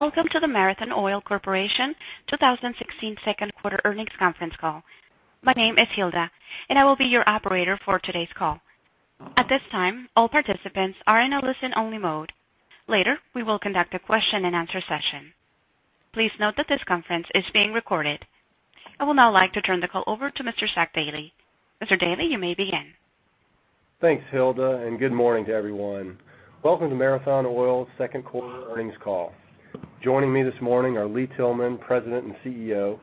Welcome to the Marathon Oil Corporation 2016 second quarter earnings conference call. My name is Hilda, and I will be your operator for today's call. At this time, all participants are in a listen-only mode. Later, we will conduct a question and answer session. Please note that this conference is being recorded. I would now like to turn the call over to Mr. Zach Dailey. Mr. Dailey, you may begin. Thanks, Hilda. Good morning to everyone. Welcome to Marathon Oil's second quarter earnings call. Joining me this morning are Lee Tillman, President and CEO;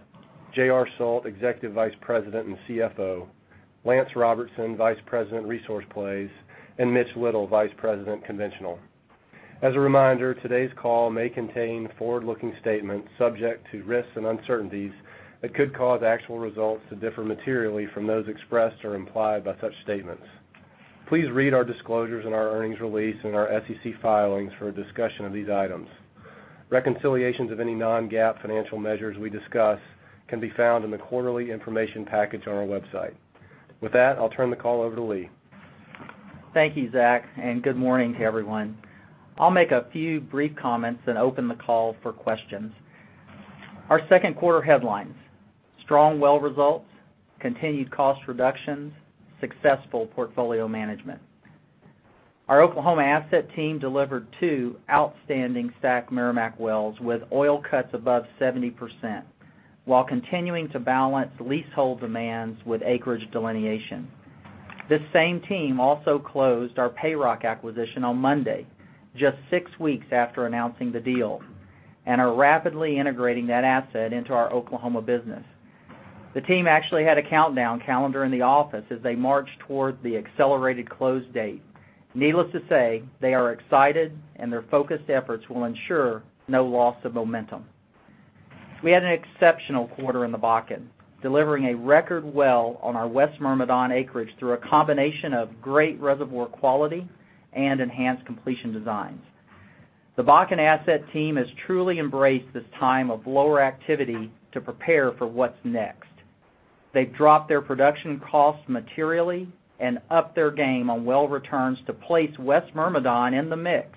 J.R. Sult, Executive Vice President and CFO; Lance Robertson, Vice President, Resource Plays; and Mitch Little, Vice President, Conventional. As a reminder, today's call may contain forward-looking statements subject to risks and uncertainties that could cause actual results to differ materially from those expressed or implied by such statements. Please read our disclosures in our earnings release and our SEC filings for a discussion of these items. Reconciliations of any non-GAAP financial measures we discuss can be found in the quarterly information package on our website. With that, I'll turn the call over to Lee. Thank you, Zach. Good morning to everyone. I'll make a few brief comments, then open the call for questions. Our second quarter headlines: strong well results, continued cost reductions, successful portfolio management. Our Oklahoma asset team delivered two outstanding STACK Meramec wells with oil cuts above 70%, while continuing to balance leasehold demands with acreage delineation. This same team also closed our PayRock acquisition on Monday, just six weeks after announcing the deal, and are rapidly integrating that asset into our Oklahoma business. The team actually had a countdown calendar in the office as they marched toward the accelerated close date. Needless to say, they are excited, their focused efforts will ensure no loss of momentum. We had an exceptional quarter in the Bakken, delivering a record well on our West Myrmidon acreage through a combination of great reservoir quality and enhanced completion designs. The Bakken asset team has truly embraced this time of lower activity to prepare for what's next. They've dropped their production costs materially and upped their game on well returns to place West Myrmidon in the mix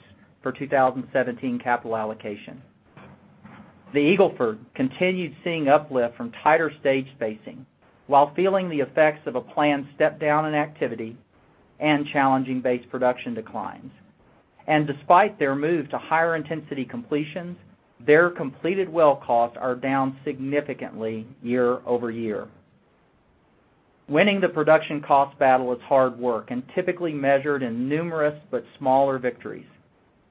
for 2017 capital allocation. The Eagle Ford continued seeing uplift from tighter stage spacing while feeling the effects of a planned step-down in activity and challenging base production declines. Despite their move to higher intensity completions, their completed well costs are down significantly year-over-year. Winning the production cost battle is hard work and typically measured in numerous but smaller victories.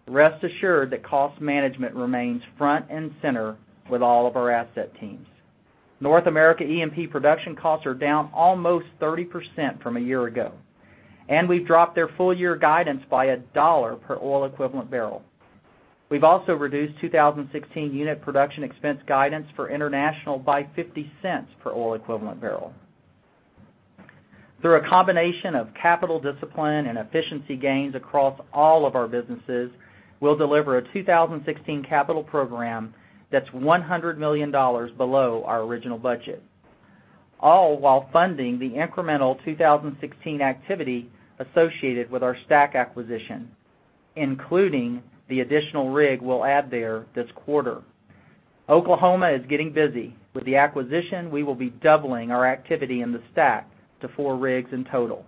Rest assured that cost management remains front and center with all of our asset teams. North America E&P production costs are down almost 30% from a year ago, we've dropped their full year guidance by $1 per oil equivalent barrel. We've also reduced 2016 unit production expense guidance for international by $0.50 per oil equivalent barrel. Through a combination of capital discipline and efficiency gains across all of our businesses, we'll deliver a 2016 capital program that's $100 million below our original budget, all while funding the incremental 2016 activity associated with our STACK acquisition, including the additional rig we'll add there this quarter. Oklahoma is getting busy. With the acquisition, we will be doubling our activity in the STACK to four rigs in total.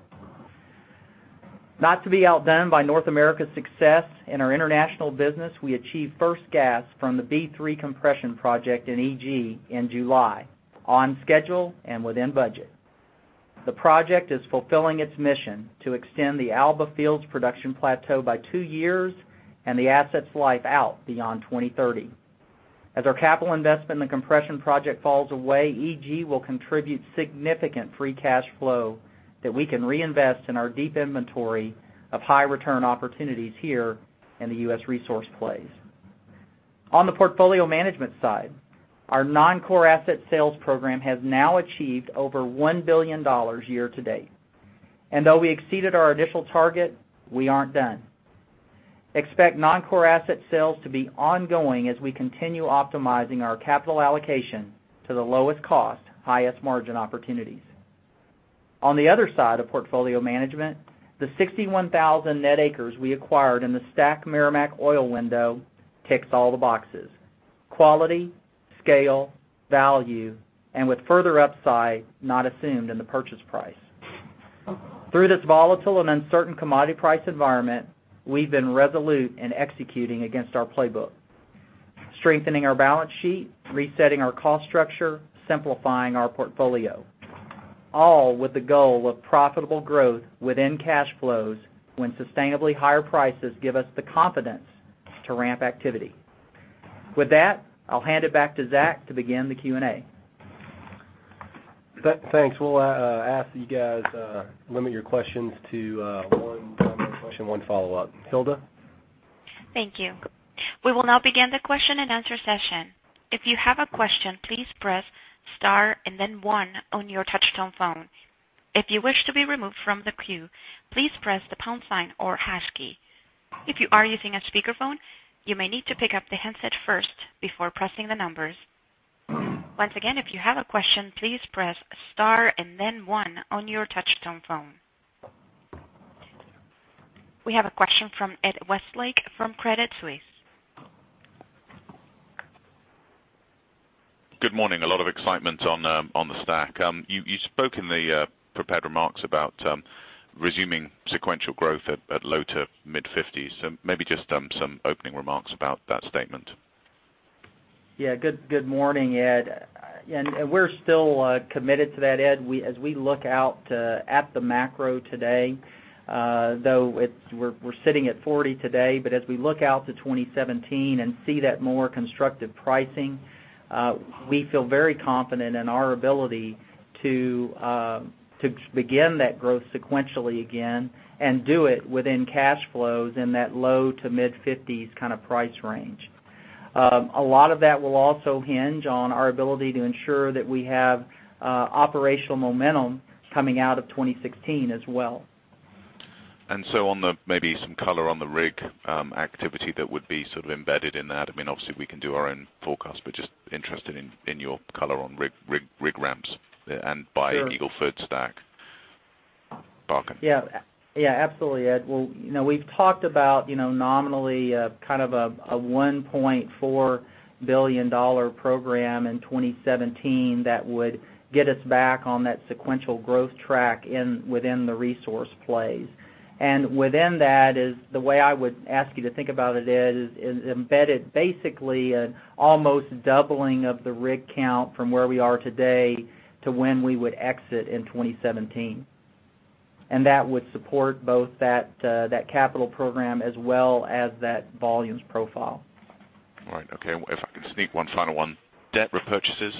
Not to be outdone by North America's success, in our international business, we achieved first gas from the B3 compression project in EG in July, on schedule and within budget. The project is fulfilling its mission to extend the Alba field's production plateau by two years and the asset's life out beyond 2030. As our capital investment in the compression project falls away, EG will contribute significant free cash flow that we can reinvest in our deep inventory of high return opportunities here in the U.S. resource plays. On the portfolio management side, our non-core asset sales program has now achieved over $1 billion year to date. Though we exceeded our initial target, we aren't done. Expect non-core asset sales to be ongoing as we continue optimizing our capital allocation to the lowest cost, highest margin opportunities. On the other side of portfolio management, the 61,000 net acres we acquired in the STACK Meramec Oil Window ticks all the boxes: quality, scale, value, and with further upside not assumed in the purchase price. Through this volatile and uncertain commodity price environment, we've been resolute in executing against our playbook, strengthening our balance sheet, resetting our cost structure, simplifying our portfolio, all with the goal of profitable growth within cash flows when sustainably higher prices give us the confidence to ramp activity. With that, I'll hand it back to Zach to begin the Q&A. Thanks. We'll ask that you guys limit your questions to one primary question, one follow-up. Hilda? Thank you. We will now begin the question and answer session. If you have a question, please press star and then one on your touchtone phone. If you wish to be removed from the queue, please press the pound sign or hash key. If you are using a speakerphone, you may need to pick up the handset first before pressing the numbers. Once again, if you have a question, please press star and then one on your touchtone phone. We have a question from Ed Westlake from Credit Suisse. Good morning. A lot of excitement on the STACK. You spoke in the prepared remarks about resuming sequential growth at low to mid-$50s. Maybe just some opening remarks about that statement. Yeah. Good morning, Ed. We're still committed to that, Ed, as we look out at the macro today, though we're sitting at $40 today. As we look out to 2017 and see that more constructive pricing, we feel very confident in our ability to begin that growth sequentially again and do it within cash flows in that low to mid-$50s kind of price range. A lot of that will also hinge on our ability to ensure that we have operational momentum coming out of 2016 as well. Maybe some color on the rig activity that would be sort of embedded in that. Obviously, we can do our own forecast, but just interested in your color on rig ramps. Sure Eagle Ford STACK. Bakken. Yeah. Absolutely, Ed. Well, we've talked about nominally kind of a $1.4 billion program in 2017 that would get us back on that sequential growth track within the resource plays. Within that is, the way I would ask you to think about it is embedded basically an almost doubling of the rig count from where we are today to when we would exit in 2017. That would support both that capital program as well as that volumes profile. All right. Okay. If I could sneak one final one. Debt repurchases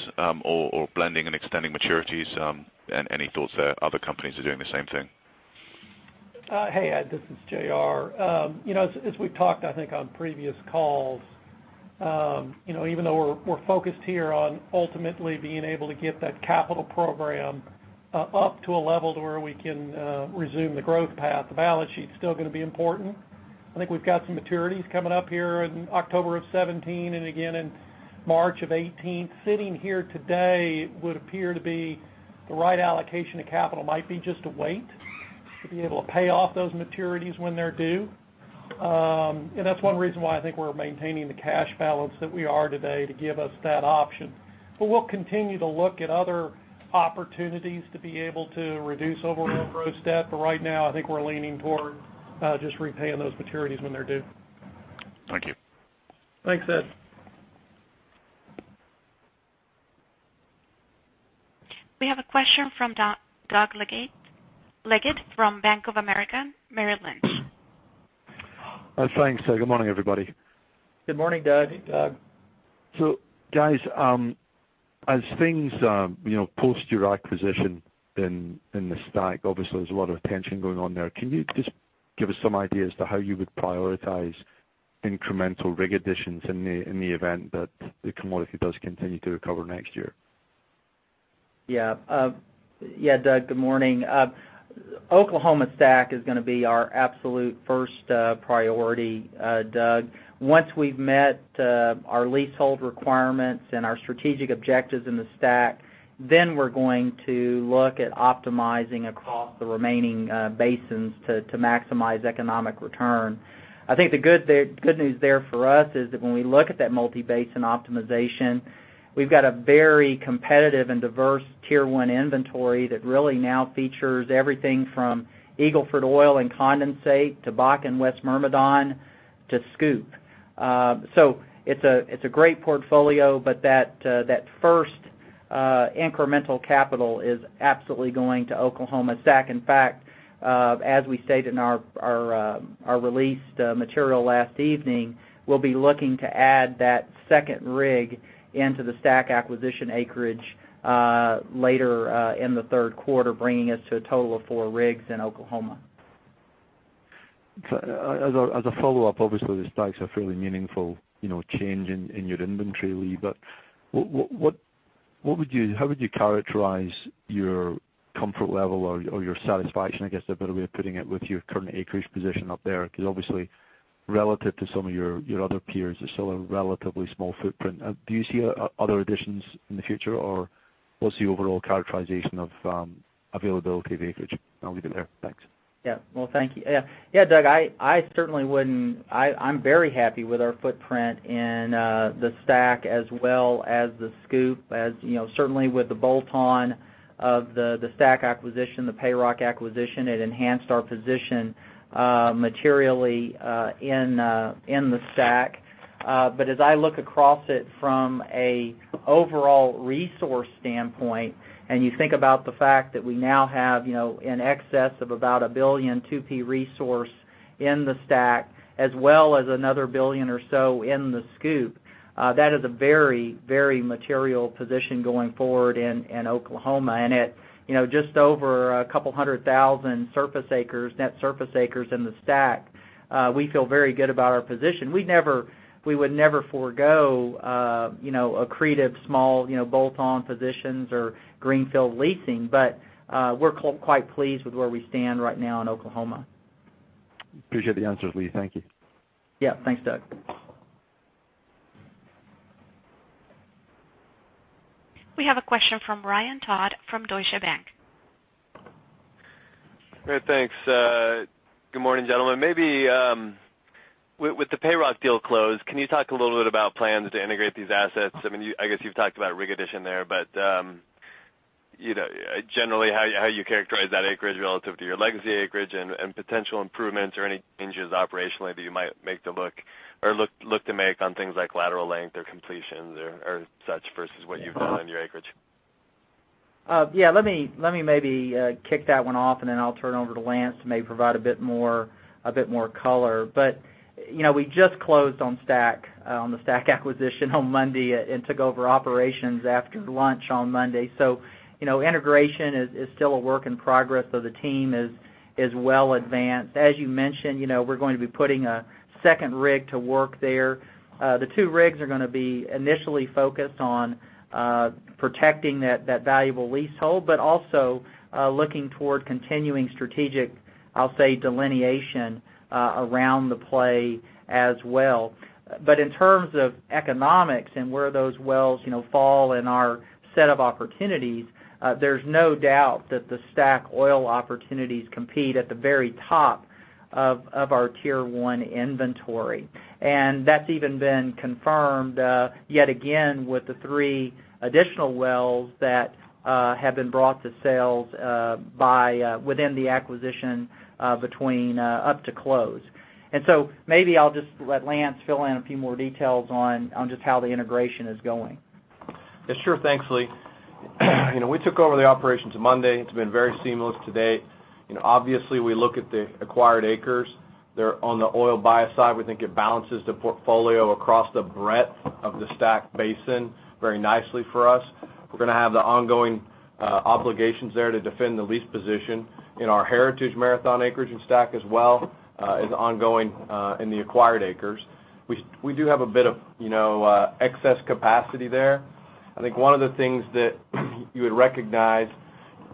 or blending and extending maturities, any thoughts there? Other companies are doing the same thing. Hey, Ed, this is J.R. As we've talked, I think, on previous calls, even though we're focused here on ultimately being able to get that capital program up to a level to where we can resume the growth path, the balance sheet's still going to be important. I think we've got some maturities coming up here in October of 2017 and again in March of 2018. Sitting here today, would appear to be the right allocation of capital might be just to wait, to be able to pay off those maturities when they're due. That's one reason why I think we're maintaining the cash balance that we are today to give us that option. We'll continue to look at other opportunities to be able to reduce overall gross debt. Right now, I think we're leaning toward just repaying those maturities when they're due. Thank you. Thanks, Ed. We have a question from Doug Leggate from Bank of America Merrill Lynch. Thanks. Good morning, everybody. Good morning, Doug. Hey, Doug. Guys, as things post your acquisition in the STACK, obviously there's a lot of attention going on there. Can you just give us some idea as to how you would prioritize incremental rig additions in the event that the commodity does continue to recover next year? Yeah, Doug, good morning. Oklahoma STACK is going to be our absolute first priority, Doug. Once we've met our leasehold requirements and our strategic objectives in the STACK, we're going to look at optimizing across the remaining basins to maximize economic return. I think the good news there for us is that when we look at that multi-basin optimization, we've got a very competitive and diverse Tier 1 inventory that really now features everything from Eagle Ford oil and condensate to Bakken West Myrmidon to SCOOP. It's a great portfolio, but that first incremental capital is absolutely going to Oklahoma STACK. In fact, as we stated in our released material last evening, we'll be looking to add that second rig into the STACK acquisition acreage later in the third quarter, bringing us to a total of four rigs in Oklahoma. As a follow-up, obviously the STACK's a fairly meaningful change in your inventory, Lee, how would you characterize your comfort level or your satisfaction, I guess, is a better way of putting it, with your current acreage position up there? Obviously, relative to some of your other peers, it's still a relatively small footprint. Do you see other additions in the future, what's the overall characterization of availability of acreage? I'll leave it there. Thanks. Yeah. Well, thank you. Yeah, Doug, I'm very happy with our footprint in the STACK as well as the SCOOP. Certainly with the bolt-on of the STACK acquisition, the PayRock acquisition, it enhanced our position materially in the STACK. As I look across it from an overall resource standpoint, and you think about the fact that we now have in excess of about 1 billion 2P resource in the STACK, as well as another 1 billion or so in the SCOOP, that is a very material position going forward in Oklahoma. At just over 200,000 net surface acres in the STACK, we feel very good about our position. We would never forego accretive small bolt-on positions or greenfield leasing, we're quite pleased with where we stand right now in Oklahoma. Appreciate the answers, Lee. Thank you. Yeah. Thanks, Doug. We have a question from Ryan Todd from Deutsche Bank. Great. Thanks. Good morning, gentlemen. Maybe with the PayRock deal closed, can you talk a little bit about plans to integrate these assets? I guess you've talked about rig addition there, generally, how you characterize that acreage relative to your legacy acreage and potential improvements or any changes operationally that you might look to make on things like lateral length or completions or such, versus what you've done on your acreage? Yeah. Let me maybe kick that one off, then I'll turn it over to Lance to maybe provide a bit more color. We just closed on the STACK acquisition on Monday and took over operations after lunch on Monday. Integration is still a work in progress, though the team is well advanced. As you mentioned, we're going to be putting a second rig to work there. The two rigs are going to be initially focused on protecting that valuable leasehold, also looking toward continuing strategic, I'll say, delineation around the play as well. In terms of economics and where those wells fall in our set of opportunities, there's no doubt that the STACK oil opportunities compete at the very top of our Tier 1 inventory. That's even been confirmed yet again with the three additional wells that have been brought to sales within the acquisition up to close. Maybe I'll just let Lance fill in a few more details on just how the integration is going. Yeah, sure. Thanks, Lee. We took over the operations Monday. It's been very seamless to date. We look at the acquired acres. They're on the oil buy side. We think it balances the portfolio across the breadth of the STACK basin very nicely for us. We're going to have the ongoing obligations there to defend the lease position in our heritage Marathon acreage and STACK as well is ongoing in the acquired acres. We do have a bit of excess capacity there. I think one of the things that you would recognize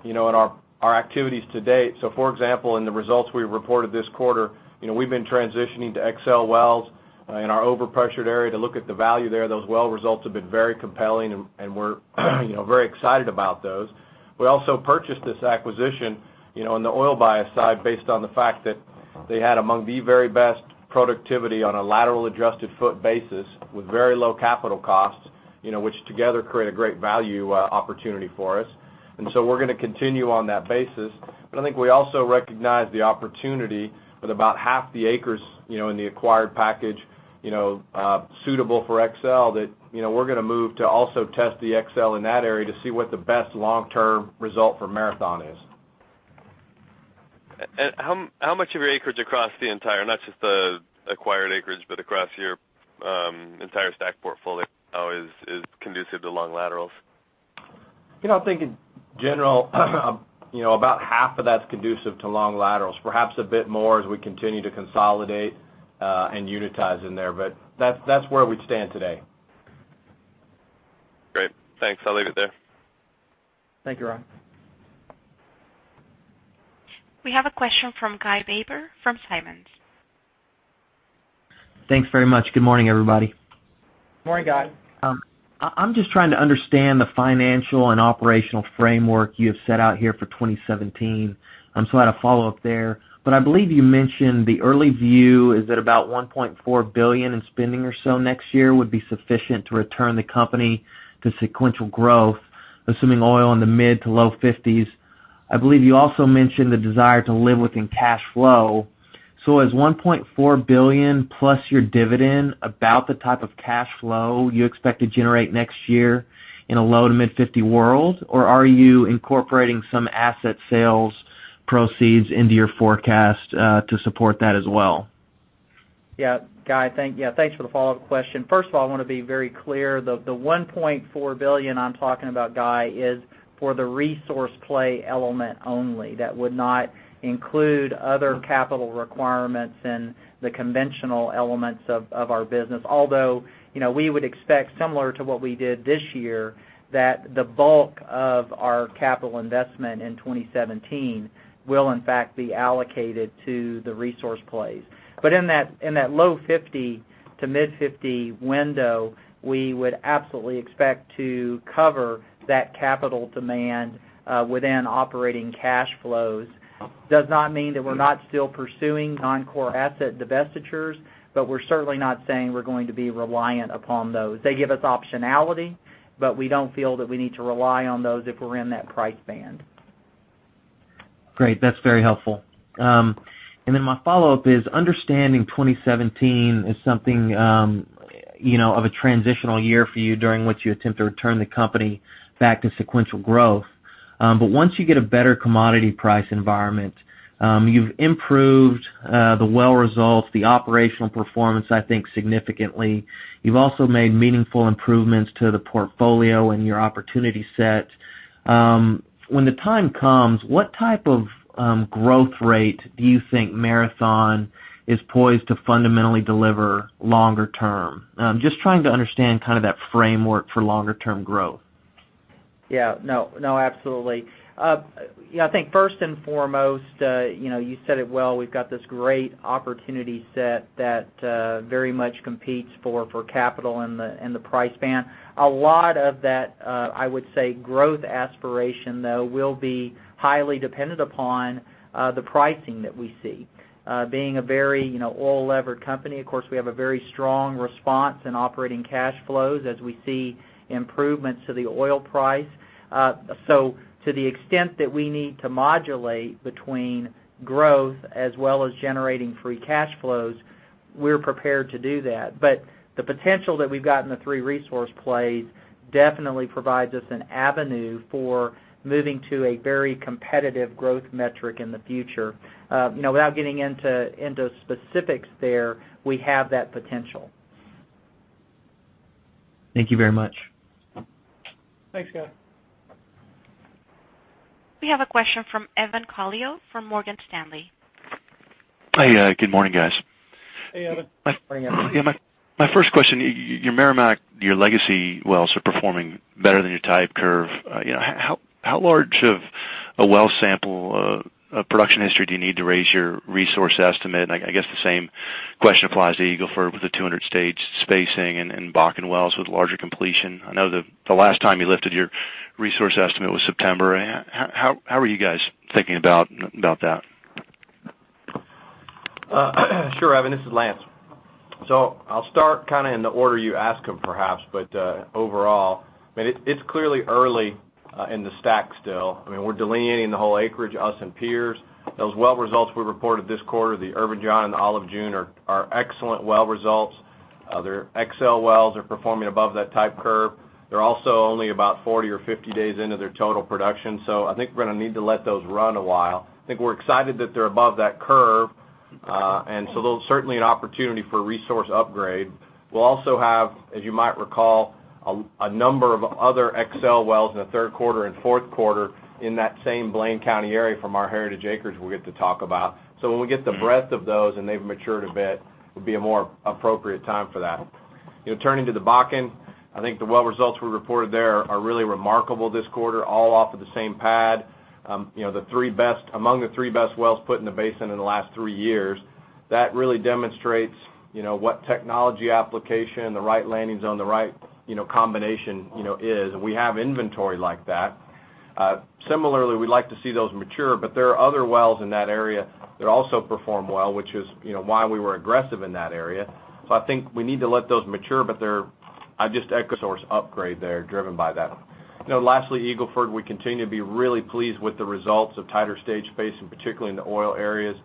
in our activities to date, in the results we reported this quarter, we've been transitioning to XL wells in our overpressured area to look at the value there. Those well results have been very compelling, and we're very excited about those. We also purchased this acquisition on the oil buy side based on the fact that they had among the very best productivity on a lateral adjusted foot basis with very low capital costs, which together create a great value opportunity for us. We're going to continue on that basis. I think we also recognize the opportunity with about half the acres in the acquired package suitable for XL, that we're going to move to also test the XL in that area to see what the best long-term result for Marathon is. How much of your acreage across the entire, not just the acquired acreage, but across your entire STACK portfolio is conducive to long laterals? I think in general, about half of that's conducive to long laterals, perhaps a bit more as we continue to consolidate and unitize in there. That's where we stand today. Great. Thanks. I'll leave it there. Thank you, Ryan. We have a question from Guy Baber from Simmons. Thanks very much. Good morning, everybody. Morning, Guy. I am just trying to understand the financial and operational framework you have set out here for 2017. I had a follow-up there. I believe you mentioned the early view is that about $1.4 billion in spending or so next year would be sufficient to return the company to sequential growth, assuming oil in the mid to low 50s. I believe you also mentioned the desire to live within cash flow. Is $1.4 billion plus your dividend about the type of cash flow you expect to generate next year in a low to mid 50 world? Are you incorporating some asset sales proceeds into your forecast to support that as well? Guy, thanks for the follow-up question. First of all, I want to be very clear. The $1.4 billion I am talking about, Guy, is for the resource play element only. That would not include other capital requirements in the conventional elements of our business. Although, we would expect similar to what we did this year, that the bulk of our capital investment in 2017 will in fact be allocated to the resource plays. In that low 50 to mid 50 window, we would absolutely expect to cover that capital demand within operating cash flows. Does not mean that we are not still pursuing non-core asset divestitures, we are certainly not saying we are going to be reliant upon those. They give us optionality, we don't feel that we need to rely on those if we are in that price band. Great. That's very helpful. My follow-up is, understanding 2017 as something of a transitional year for you during which you attempt to return the company back to sequential growth. Once you get a better commodity price environment, you've improved the well results, the operational performance, I think, significantly. You've also made meaningful improvements to the portfolio and your opportunity set. When the time comes, what type of growth rate do you think Marathon is poised to fundamentally deliver longer term? Just trying to understand that framework for longer term growth. Yeah. No, absolutely. I think first and foremost, you said it well. We've got this great opportunity set that very much competes for capital in the price band. A lot of that, I would say, growth aspiration, though, will be highly dependent upon the pricing that we see. Being a very oil-levered company, of course, we have a very strong response in operating cash flows as we see improvements to the oil price. To the extent that we need to modulate between growth as well as generating free cash flows, we're prepared to do that. The potential that we've got in the three resource plays definitely provides us an avenue for moving to a very competitive growth metric in the future. Without getting into specifics there, we have that potential. Thank you very much. Thanks, Guy. We have a question from Evan Calio from Morgan Stanley. Hi. Good morning, guys. Hey, Evan. Morning, Evan. Yeah. My first question, your Meramec, your legacy wells are performing better than your type curve. How large of a well sample of production history do you need to raise your resource estimate? I guess the same question applies to Eagle Ford with the 200-stage spacing and Bakken wells with larger completion. I know the last time you lifted your resource estimate was September. How are you guys thinking about that? Sure, Evan, this is Lance. I'll start in the order you asked them perhaps, but overall, it's clearly early in the STACK still. We're delineating the whole acreage, us and peers. Those well results we reported this quarter, the Irven John and the Olive June, are excellent well results. Their XL wells are performing above that type curve. They're also only about 40 or 50 days into their total production. I think we're going to need to let those run a while. I think we're excited that they're above that curve. There's certainly an opportunity for resource upgrade. We'll also have, as you might recall, a number of other XL wells in the third quarter and fourth quarter in that same Blaine County area from our heritage acres we'll get to talk about. When we get the breadth of those and they've matured a bit, it would be a more appropriate time for that. Turning to the Bakken, I think the well results we reported there are really remarkable this quarter, all off of the same pad. Among the three best wells put in the basin in the last three years, that really demonstrates what technology application, the right landing zone, the right combination is. We have inventory like that. Similarly, we'd like to see those mature, but there are other wells in that area that also perform well, which is why we were aggressive in that area. I think we need to let those mature, but they're just source upgrade there driven by that. Lastly, Eagle Ford, we continue to be really pleased with the results of tighter stage spacing, particularly in the oil areas,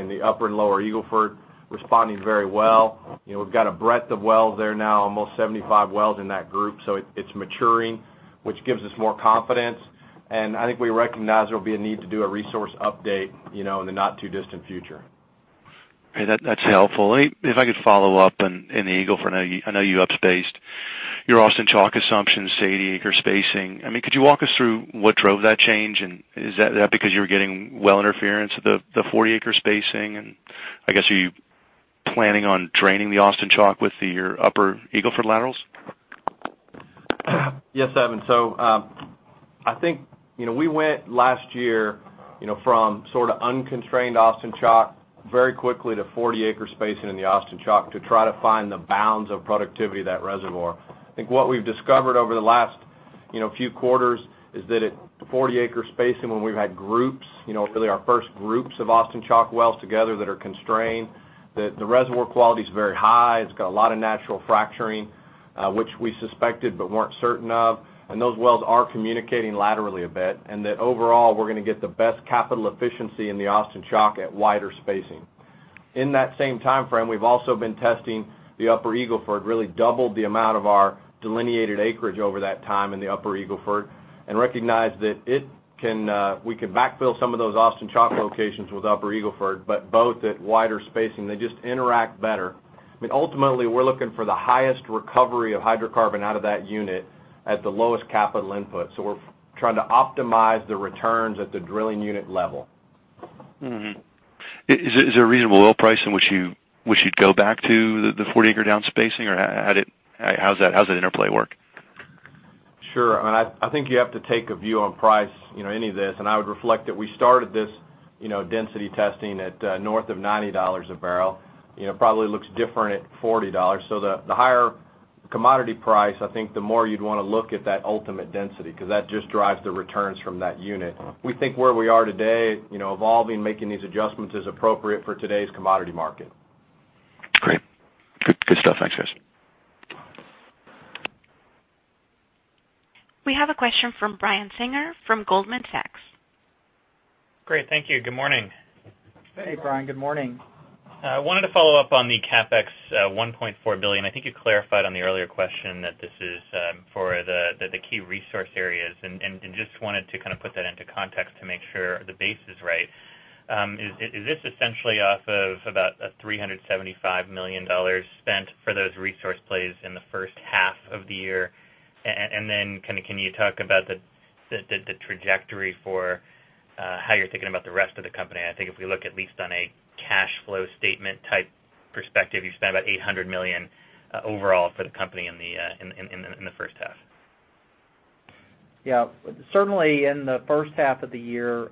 in the upper and lower Eagle Ford, responding very well. We've got a breadth of wells there now, almost 75 wells in that group. It's maturing, which gives us more confidence. I think we recognize there'll be a need to do a resource update in the not-too-distant future. Okay. That's helpful. If I could follow up on the Eagle Ford, I know you up-spaced your Austin Chalk assumptions, 80-acre spacing. Could you walk us through what drove that change? Is that because you were getting well interference with the 40-acre spacing? I guess, are you planning on draining the Austin Chalk with your upper Eagle Ford laterals? Yes, Evan. I think we went last year from sort of unconstrained Austin Chalk very quickly to 40-acre spacing in the Austin Chalk to try to find the bounds of productivity of that reservoir. I think what we've discovered over the last few quarters is that at the 40-acre spacing, when we've had groups, really our first groups of Austin Chalk wells together that are constrained, that the reservoir quality is very high. It's got a lot of natural fracturing, which we suspected but weren't certain of, those wells are communicating laterally a bit, that overall, we're going to get the best capital efficiency in the Austin Chalk at wider spacing. In that same timeframe, we've also been testing the Upper Eagle Ford, really doubled the amount of our delineated acreage over that time in the Upper Eagle Ford, recognized that we could backfill some of those Austin Chalk locations with Upper Eagle Ford, both at wider spacing. They just interact better. Ultimately, we're looking for the highest recovery of hydrocarbon out of that unit at the lowest capital input. We're trying to optimize the returns at the drilling unit level. Is there a reasonable oil price in which you'd go back to the 40-acre down spacing? How does that interplay work? Sure. I think you have to take a view on price, any of this, I would reflect that we started this density testing at north of $90 a barrel. It probably looks different at $40. The higher commodity price, I think the more you'd want to look at that ultimate density, because that just drives the returns from that unit. We think where we are today, evolving, making these adjustments is appropriate for today's commodity market. Great. Good stuff. Thanks, guys. We have a question from Brian Singer from Goldman Sachs. Great. Thank you. Good morning. Hey, Brian. Good morning. I wanted to follow up on the CapEx, $1.4 billion. I think you clarified on the earlier question that this is for the key resource areas, and just wanted to kind of put that into context to make sure the base is right. Is this essentially off of about $375 million spent for those resource plays in the first half of the year? Can you talk about the trajectory for how you're thinking about the rest of the company. I think if we look at least on a cash flow statement type perspective, you spent about $800 million overall for the company in the first half. Yeah. Certainly in the first half of the year,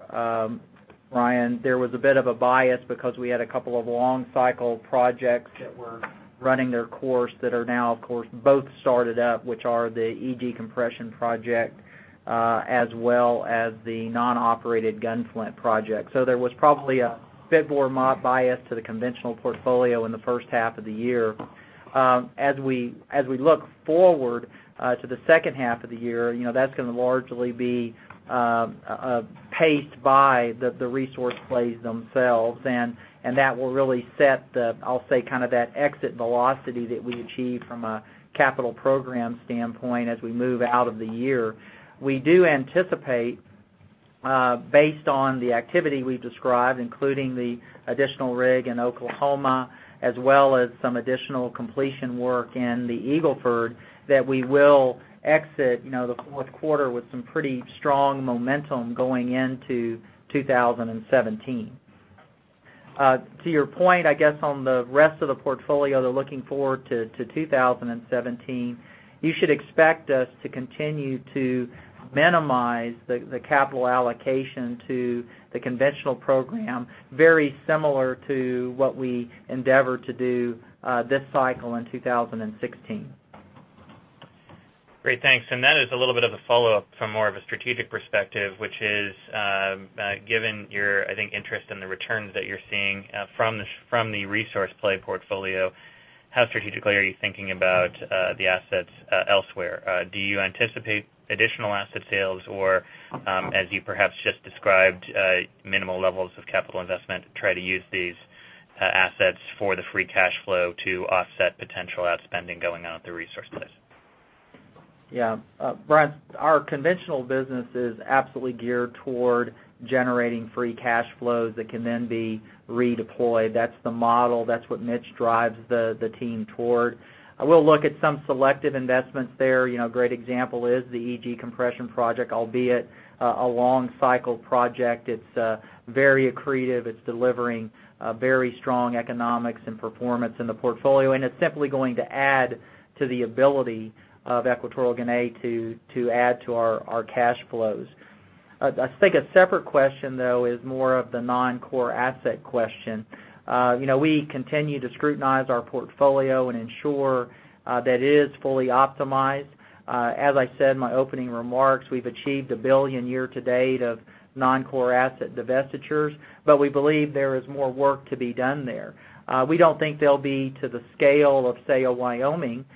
Ryan, there was a bit of a bias because we had a couple of long cycle projects that were running their course that are now of course, both started up, which are the EG compression project, as well as the non-operated Gunflint project. There was probably a bit more bias to the conventional portfolio in the first half of the year. As we look forward to the second half of the year, that's going to largely be paced by the resource plays themselves, and that will really set the, I'll say, kind of that exit velocity that we achieve from a capital program standpoint as we move out of the year. We do anticipate, based on the activity we've described, including the additional rig in Oklahoma, as well as some additional completion work in the Eagle Ford, that we will exit the fourth quarter with some pretty strong momentum going into 2017. To your point, I guess, on the rest of the portfolio, though looking forward to 2017, you should expect us to continue to minimize the capital allocation to the conventional program, very similar to what we endeavor to do this cycle in 2016. Great. Thanks. That is a little bit of a follow-up from more of a strategic perspective, which is, given your, I think, interest in the returns that you're seeing from the resource play portfolio, how strategically are you thinking about the assets elsewhere? Do you anticipate additional asset sales or, as you perhaps just described, minimal levels of capital investment to try to use these assets for the free cash flow to offset potential outspending going on with the resource plays? Yeah. Ryan, our conventional business is absolutely geared toward generating free cash flows that can then be redeployed. That's the model. That's what Mitch drives the team toward. We'll look at some selective investments there. Great example is the EG compression project, albeit a long cycle project. It's very accretive. It's delivering very strong economics and performance in the portfolio, and it's simply going to add to the ability of Equatorial Guinea to add to our cash flows. I think a separate question, though, is more of the non-core asset question. We continue to scrutinize our portfolio and ensure that it is fully optimized. As I said in my opening remarks, we've achieved $1 billion year to date of non-core asset divestitures, but we believe there is more work to be done there. We don't think they'll be to the scale of, say, a Wyoming,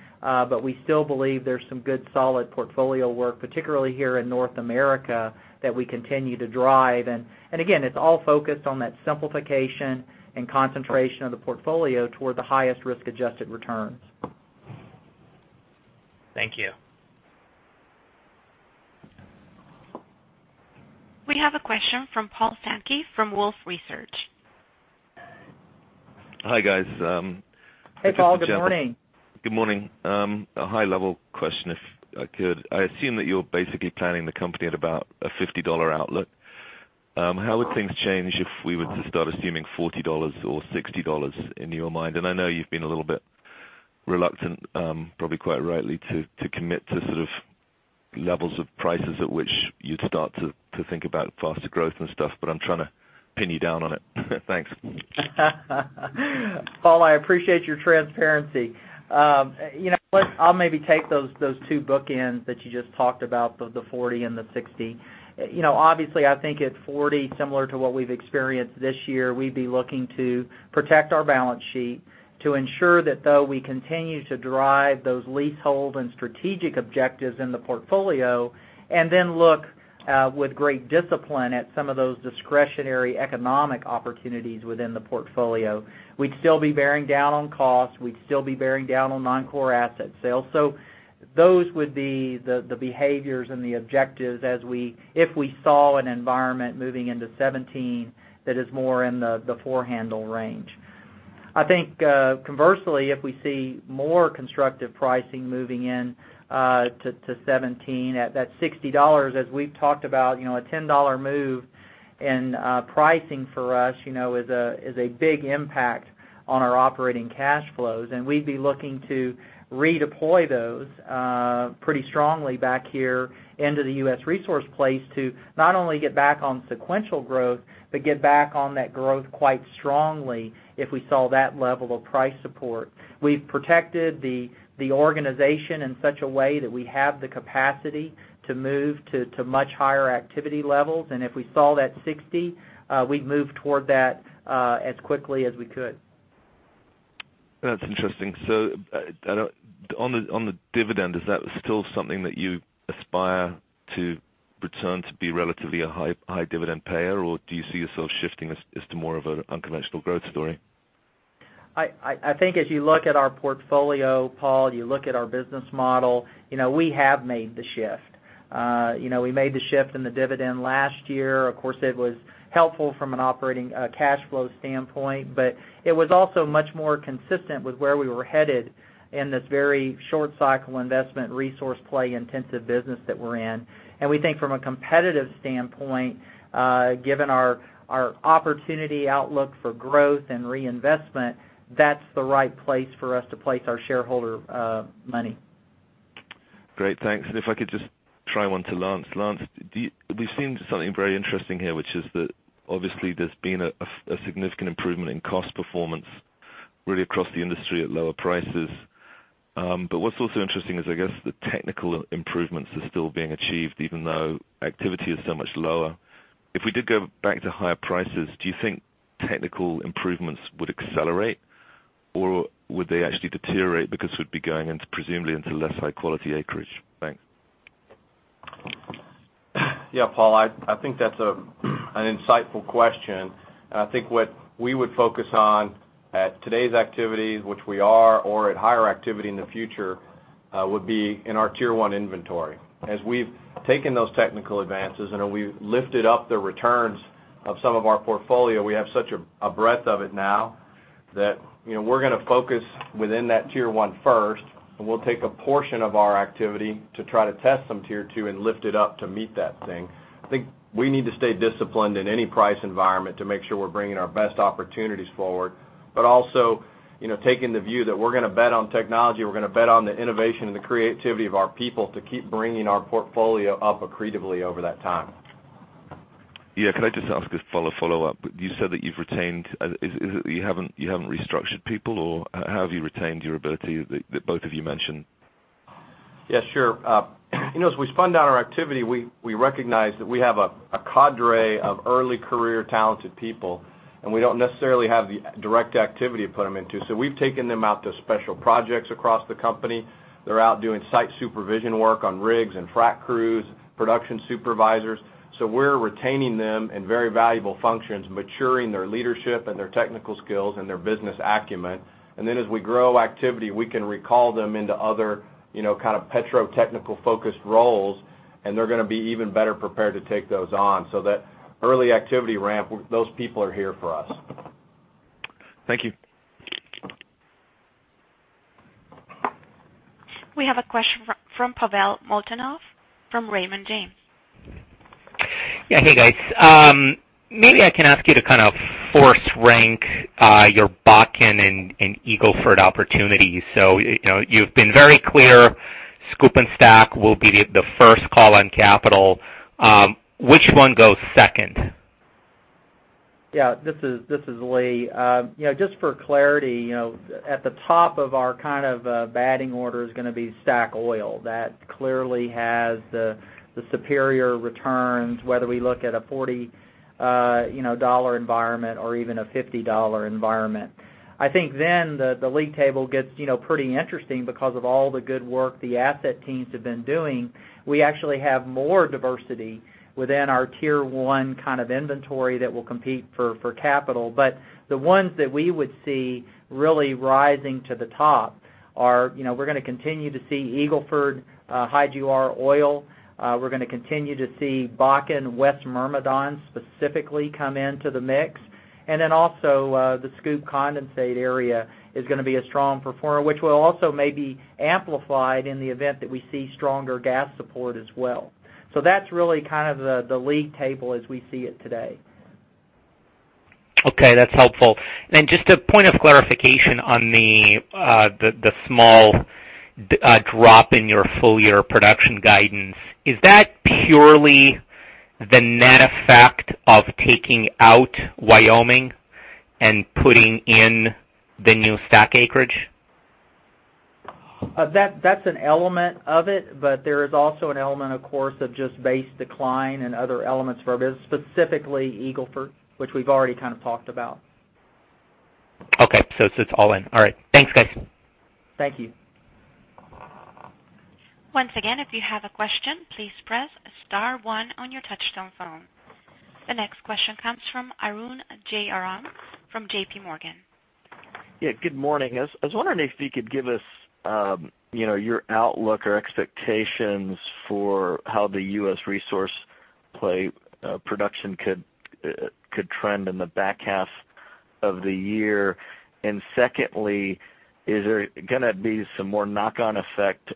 but we still believe there's some good solid portfolio work, particularly here in North America, that we continue to drive. Again, it's all focused on that simplification and concentration of the portfolio toward the highest risk-adjusted returns. Thank you. We have a question from Paul Sankey from Wolfe Research. Hi, guys. Hey, Paul. Good morning. Good morning. A high-level question, if I could. I assume that you're basically planning the company at about a $50 outlook. How would things change if we were to start assuming $40 or $60 in your mind? I know you've been a little bit reluctant, probably quite rightly, to commit to sort of levels of prices at which you'd start to think about faster growth and stuff, but I'm trying to pin you down on it. Thanks. Paul, I appreciate your transparency. I'll maybe take those two bookends that you just talked about, the $40 and the $60. Obviously, I think at $40, similar to what we've experienced this year, we'd be looking to protect our balance sheet to ensure that though we continue to drive those leasehold and strategic objectives in the portfolio, then look with great discipline at some of those discretionary economic opportunities within the portfolio. We'd still be bearing down on costs. We'd still be bearing down on non-core asset sales. Those would be the behaviors and the objectives if we saw an environment moving into 2017 that is more in the four handle range. I think conversely, if we see more constructive pricing moving into 2017 at that $60, as we've talked about, a $10 move in pricing for us is a big impact on our operating cash flows. We'd be looking to redeploy those pretty strongly back here into the U.S. resource place to not only get back on sequential growth, but get back on that growth quite strongly if we saw that level of price support. We've protected the organization in such a way that we have the capacity to move to much higher activity levels, and if we saw that $60, we'd move toward that as quickly as we could. That's interesting. On the dividend, is that still something that you aspire to return to be relatively a high dividend payer, or do you see yourself shifting as to more of an unconventional growth story? I think as you look at our portfolio, Paul, you look at our business model, we have made the shift. We made the shift in the dividend last year. Of course, it was helpful from an operating cash flow standpoint, but it was also much more consistent with where we were headed in this very short cycle investment, resource play intensive business that we're in. We think from a competitive standpoint, given our opportunity outlook for growth and reinvestment, that's the right place for us to place our shareholder money. Great. Thanks. If I could just try one to Lance. Lance, we've seen something very interesting here, which is that obviously there's been a significant improvement in cost performance really across the industry at lower prices. What's also interesting is, I guess, the technical improvements are still being achieved even though activity is so much lower. If we did go back to higher prices, do you think technical improvements would accelerate or would they actually deteriorate because we'd be going presumably into less high-quality acreage? Thanks. Yeah. Paul, I think that's an insightful question. I think what we would focus on at today's activity, which we are, or at higher activity in the future, would be in our Tier 1 inventory. As we've taken those technical advances and we've lifted up the returns of some of our portfolio, we have such a breadth of it now that we're going to focus within that Tier 1 first, and we'll take a portion of our activity to try to test some Tier 2 and lift it up to meet that thing. I think we need to stay disciplined in any price environment to make sure we're bringing our best opportunities forward, also taking the view that we're going to bet on technology, we're going to bet on the innovation and the creativity of our people to keep bringing our portfolio up accretively over that time. Yeah. Can I just ask a follow-up? You said that you've retained You haven't restructured people, how have you retained your ability that both of you mentioned? Yeah, sure. As we spun down our activity, we recognized that we have a cadre of early career talented people, we don't necessarily have the direct activity to put them into. We've taken them out to special projects across the company. They're out doing site supervision work on rigs and frac crews, production supervisors. We're retaining them in very valuable functions, maturing their leadership and their technical skills and their business acumen. Then as we grow activity, we can recall them into other kind of petrotechnical-focused roles, and they're going to be even better prepared to take those on. That early activity ramp, those people are here for us. Thank you. We have a question from Pavel Molchanov from Raymond James. Yeah. Hey, guys. Maybe I can ask you to force rank your Bakken and Eagle Ford opportunities. You've been very clear, SCOOP and STACK will be the first call on capital. Which one goes second? Yeah. This is Lee. Just for clarity, at the top of our batting order is going to be STACK oil. That clearly has the superior returns, whether we look at a $40 environment or even a $50 environment. I think the league table gets pretty interesting because of all the good work the asset teams have been doing. We actually have more diversity within our Tier 1 inventory that will compete for capital. The ones that we would see really rising to the top are. We're going to continue to see Eagle Ford high EUR oil. We're going to continue to see Bakken West Myrmidon specifically come into the mix. Also, the SCOOP condensate area is going to be a strong performer, which will also may be amplified in the event that we see stronger gas support as well. That's really the league table as we see it today. Okay. That's helpful. Just a point of clarification on the small drop in your full-year production guidance. Is that purely the net effect of taking out Wyoming and putting in the new STACK acreage? That's an element of it, but there is also an element, of course, of just base decline and other elements for our business, specifically Eagle Ford, which we've already talked about. Okay. It's all in. All right. Thanks, guys. Thank you. Once again, if you have a question, please press *1 on your touch-tone phone. The next question comes from Arun Jayaram from JPMorgan. Good morning. I was wondering if you could give us your outlook or expectations for how the U.S. resource play production could trend in the back half of the year. Secondly, is there going to be some more knock-on effect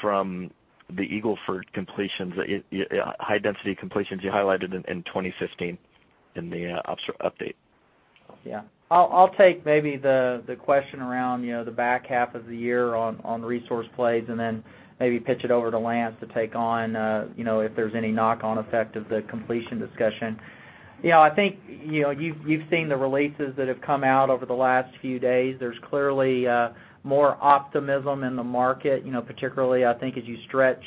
from the Eagle Ford high density completions you highlighted in 2015 in the ops update? I'll take maybe the question around the back half of the year on resource plays and then maybe pitch it over to Lance to take on if there's any knock-on effect of the completion discussion. I think you've seen the releases that have come out over the last few days. There's clearly more optimism in the market, particularly I think as you stretch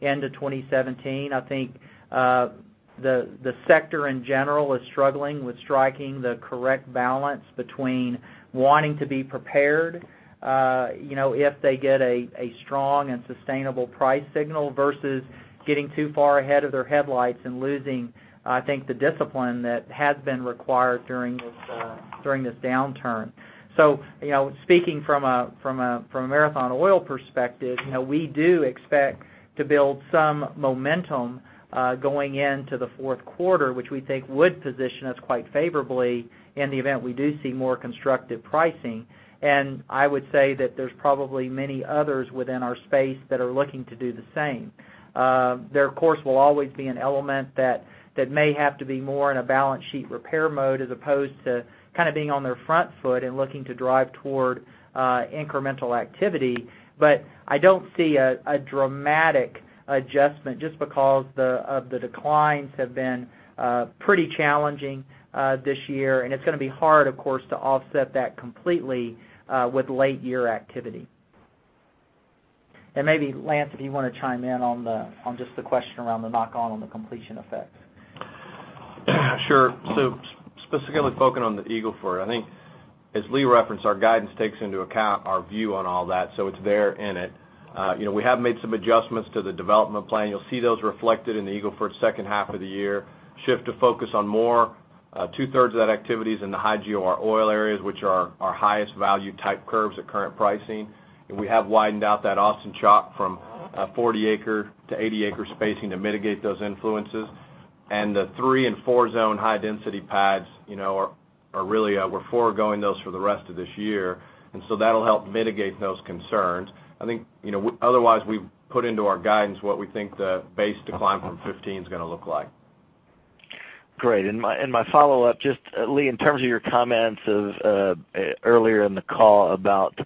into 2017. I think the sector, in general, is struggling with striking the correct balance between wanting to be prepared if they get a strong and sustainable price signal versus getting too far ahead of their headlights and losing, I think, the discipline that has been required during this downturn. Speaking from a Marathon Oil perspective, we do expect to build some momentum going into the fourth quarter, which we think would position us quite favorably in the event we do see more constructive pricing. I would say that there's probably many others within our space that are looking to do the same. There, of course, will always be an element that may have to be more in a balance sheet repair mode as opposed to being on their front foot and looking to drive toward incremental activity. I don't see a dramatic adjustment just because of the declines have been pretty challenging this year, and it's going to be hard, of course, to offset that completely with late year activity. Maybe, Lance, if you want to chime in on just the question around the knock on the completion effects. Sure. Specifically focusing on the Eagle Ford, I think as Lee referenced, our guidance takes into account our view on all that. It's there in it. We have made some adjustments to the development plan. You'll see those reflected in the Eagle Ford second half of the year, shift of focus on more two-thirds of that activity's in the high GOR oil areas, which are our highest value type curves at current pricing. We have widened out that Austin Chalk from 40 acre to 80 acre spacing to mitigate those influences. The three and four-zone high density pads, we're foregoing those for the rest of this year. That'll help mitigate those concerns. I think otherwise, we've put into our guidance what we think the base decline from 2015 is going to look like. Great. My follow-up, just Lee, in terms of your comments of earlier in the call about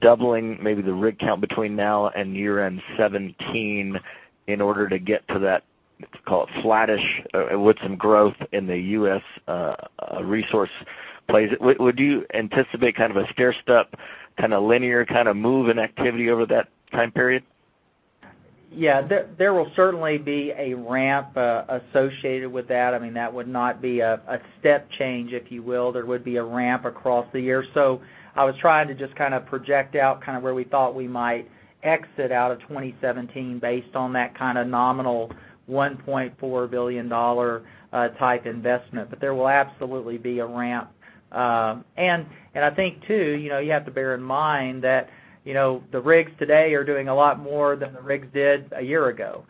doubling maybe the rig count between now and year-end 2017 in order to get to that, let's call it flattish with some growth in the U.S. resource plays, would you anticipate a stairstep, linear kind of move in activity over that time period? There will certainly be a ramp associated with that. That would not be a step change, if you will. There would be a ramp across the year. I was trying to just project out where we thought we might exit out of 2017 based on that kind of nominal $1.4 billion type investment. There will absolutely be a ramp. I think too, you have to bear in mind that the rigs today are doing a lot more than the rigs did a year ago.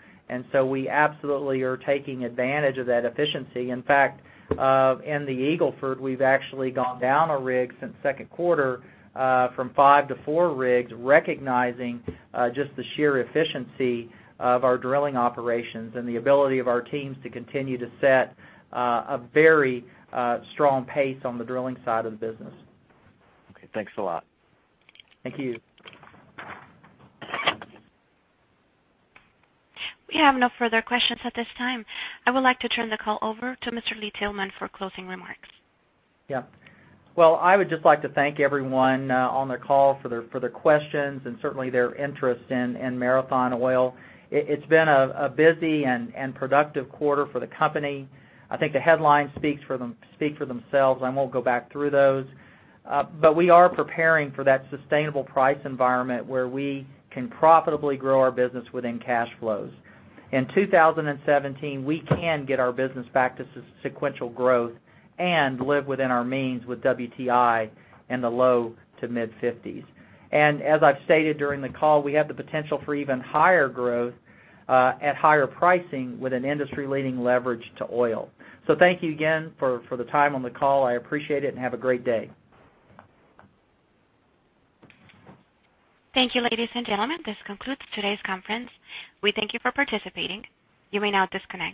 We absolutely are taking advantage of that efficiency. In fact, in the Eagle Ford, we've actually gone down a rig since second quarter from five to four rigs, recognizing just the sheer efficiency of our drilling operations and the ability of our teams to continue to set a very strong pace on the drilling side of the business. Okay, thanks a lot. Thank you. We have no further questions at this time. I would like to turn the call over to Mr. Lee Tillman for closing remarks. Yeah. Well, I would just like to thank everyone on the call for their questions and certainly their interest in Marathon Oil. It's been a busy and productive quarter for the company. I think the headlines speak for themselves, I won't go back through those. We are preparing for that sustainable price environment where we can profitably grow our business within cash flows. In 2017, we can get our business back to sequential growth and live within our means with WTI in the low to mid-50s. As I've stated during the call, we have the potential for even higher growth at higher pricing with an industry-leading leverage to oil. Thank you again for the time on the call. I appreciate it, and have a great day. Thank you, ladies and gentlemen. This concludes today's conference. We thank you for participating. You may now disconnect.